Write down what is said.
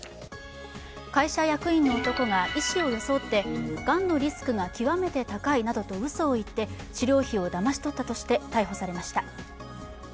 会社役員の男が医師を装って、がんのリスクが極めて高いなどとうそを言って治療費をだまし取ったとして逮捕されました。